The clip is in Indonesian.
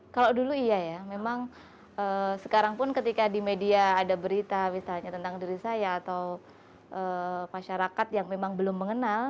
kalau dulu iya ya memang sekarang pun ketika di media ada berita misalnya tentang diri saya atau masyarakat yang memang belum mengenal